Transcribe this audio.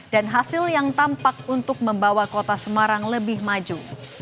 dan hasil yang tampak untuk membawa kota semarang lebih maju